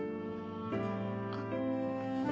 あっ。